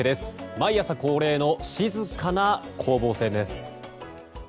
毎朝恒例の静かな攻防戦です。